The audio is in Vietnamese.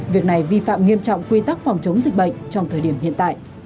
việc này vi phạm nghiêm trọng quy tắc phòng chống dịch bệnh trong thời điểm hiện tại